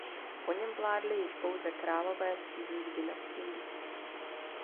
Po něm vládli již pouze králové z cizích dynastií.